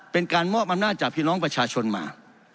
เป็นการมอบอำนาจจากพี่น้องประชาชนมา